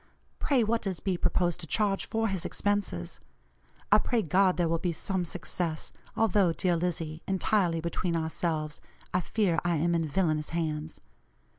Pray, what does B. propose to charge for his expenses? I pray God there will be some success, although, dear Lizzie, entirely between ourselves, I fear I am in villanous hands.